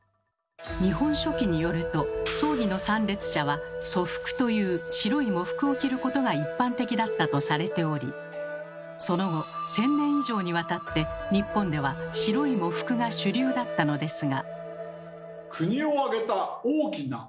「日本書紀」によると葬儀の参列者は「素服」という白い喪服を着ることが一般的だったとされておりその後１，０００年以上にわたって日本では白い喪服が主流だったのですが。